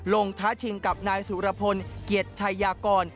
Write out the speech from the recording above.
ท้าชิงกับนายสุรพลเกียรติชัยยากร